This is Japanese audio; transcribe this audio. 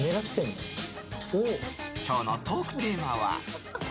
今日のトークテーマは。